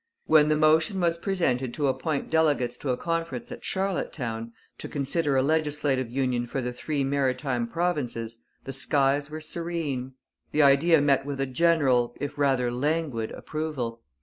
When the motion was presented to appoint delegates to a conference at Charlottetown, to consider a legislative union for the three maritime provinces, the skies were serene. The idea met with a general, if rather languid, approval.